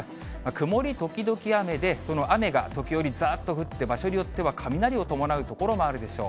曇り時々雨で、その雨が時折、ざーっと降って、場所によっては雷を伴う所もあるでしょう。